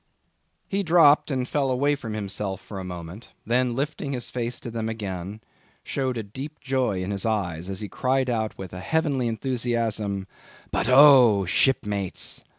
He dropped and fell away from himself for a moment; then lifting his face to them again, showed a deep joy in his eyes, as he cried out with a heavenly enthusiasm,—"But oh! shipmates!